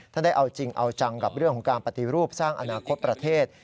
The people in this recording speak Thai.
ได้เอาจริงเอาจังกับเรื่องของการปฏิรูปสร้างอนาคตประเทศ